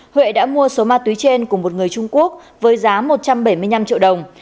huệ đã mua số ma túy trên của một người trung quốc với giá một trăm bảy mươi năm triệu đồng